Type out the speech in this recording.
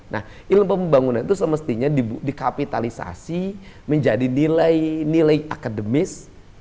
nah ilmu pembangunan itu semestinya dikapitalisasi menjadi nilai nilai akademis